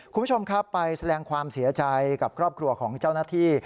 คุณผู้ชมครับไปแสดงความเสียใจกับครอบครัวของเจ้าหน้าที่